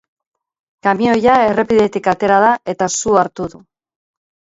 Kamioia errepidetik atera da, eta su hartu du.